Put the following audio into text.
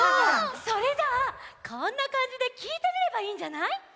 それじゃあこんなかんじできいてみればいいんじゃない？